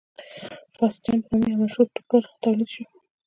فاسټین په نامه یو مشهور ټوکر تولید شو.